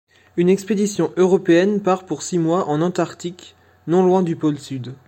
Une expédition européenne part pour six mois en Antarctique, non loin du Pôle Sud.